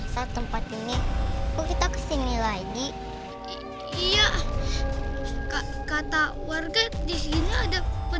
sampai jumpa di video selanjutnya